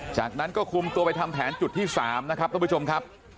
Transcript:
จากนั้นก็คุมตัวไปทำแผนจุดที่๓นะครับท่านผู้ชมครับ